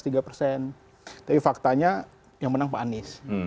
tapi faktanya yang menang pak anies